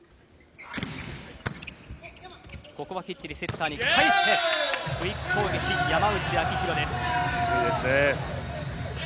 ここはきっちりセッターに返してクイック攻撃いいですね。